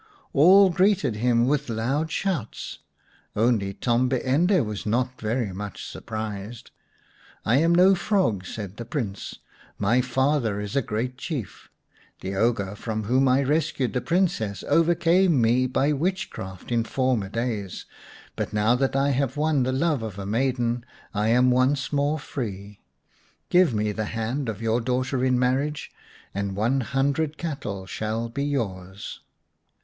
All greeted him with loud shouts; only Tombi ende was not so very much surprised. " I am no frog," said the Prince, " my father is a great Chief. The ogre from whom I rescued the Princess overcame me by witchcraft in former 196 xvi The Fairy Frog days, but now that I have won the love of a maiden I am once more free. Give me the hand of your daughter in marriage, and one hundred cattle shall be yours."